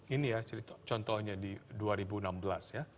ini ya contohnya di dua ribu enam belas ya